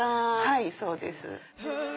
はいそうです。